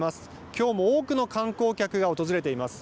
今日も多くの観光客が訪れています。